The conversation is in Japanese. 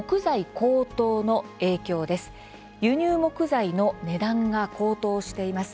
輸入木材の値段が高騰しています。